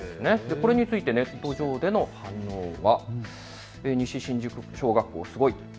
これについてネット上での反応は。